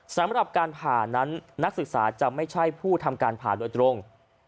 สำหรับการผ่านั้นนักศึกษาจะไม่ใช่ผู้ทำการผ่าโดยตรง